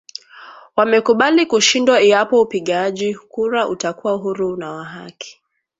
Wamekubali kushindwa iwapo upigaji kura utakuwa huru na wa haki